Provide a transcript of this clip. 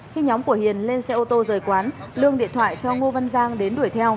khi nhóm của hiền lên xe ô tô rời quán lương điện thoại cho ngô văn giang đến đuổi theo